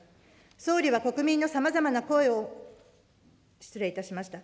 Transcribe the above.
総理は国民のさまざまな声を、失礼いたしました。